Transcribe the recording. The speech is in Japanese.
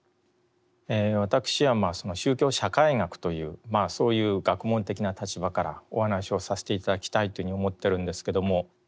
私は宗教社会学というそういう学問的な立場からお話をさせて頂きたいというふうに思っているんですけども。